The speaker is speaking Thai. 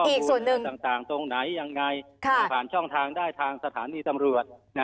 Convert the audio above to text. มีส่วนเรื่องต่างตรงไหนยังไงผ่านช่องทางได้ทางสถานีตำรวจ